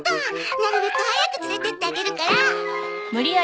なるべく早く連れてってあげるから。